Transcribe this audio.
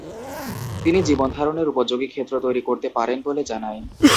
তিনি জীবনধারনের উপযোগী ক্ষেত্র তৈরী করতে পারেন বলে জানায়।